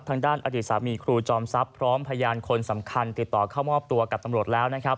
ทางด้านอดีตสามีครูจอมทรัพย์พร้อมพยานคนสำคัญติดต่อเข้ามอบตัวกับตำรวจแล้วนะครับ